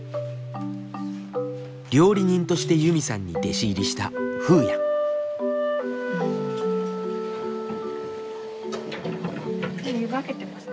料理人としてユミさんに弟子入りしたもう湯がけてますね。